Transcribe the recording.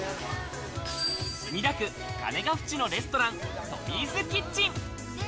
墨田区鐘ヶ淵のレストラン、Ｔｏｍｉ’ｓキッチン。